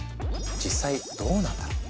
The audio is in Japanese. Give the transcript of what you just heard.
実際どうなんだろう？